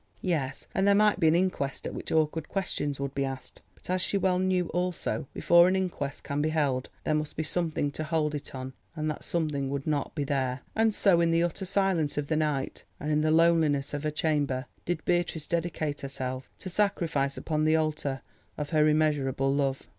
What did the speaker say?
Yes, and there might be an inquest at which awkward questions would be asked. But, as she well knew also, before an inquest can be held there must be something to hold it on, and that something would not be there. And so in the utter silence of the night and in the loneliness of her chamber did Beatrice dedicate herself to sacrifice upon the altar of her immeasurable love.